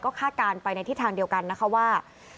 ก็ฆ่าการไปในที่ทางเดียวกันนะคะว่า